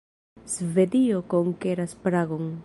Svedio konkeras Pragon.